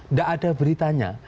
nggak ada beritanya